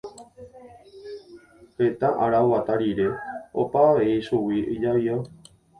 Heta ára oguata rire opa avei chugui ijavío.